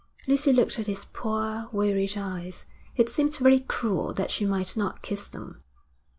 Lucy looked at his poor, wearied eyes. It seemed very cruel that she might not kiss them.